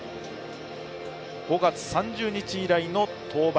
５月３０日以来の登板。